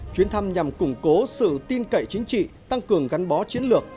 chuyến thăm nhằm củng cố sự tin cậy chính trị tăng cường gắn bó chiến lược